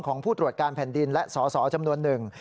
ผู้ตรวจการแผ่นดินและสสจำนวนหนึ่ง